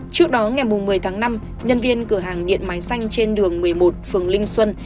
trước đó ngày một mươi tháng năm nhân viên cửa hàng điện máy xanh trên đường một mươi một phường linh xuân